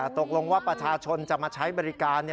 ตกลงว่าประชาชนจะมาใช้บริการ